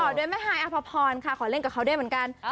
ด้วยแม่ฮายอภพรค่ะขอเล่นกับเขาด้วยเหมือนกัน